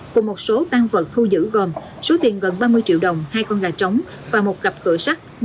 cùng một số tan vật thu giữ gồm số tiền gần ba mươi triệu đồng hai con gà trống và một cặp cửa sắt